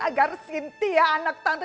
agar sintia anak tante